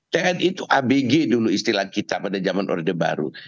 tni itu abg dulu istilah kita pada zaman orde baru